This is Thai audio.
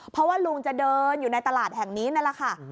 เพราะว่าลุงจะเดินอยู่ในตลาดแห่งนี้นั่นแหละค่ะ